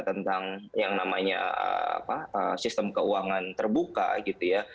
tentang yang namanya sistem keuangan terbuka gitu ya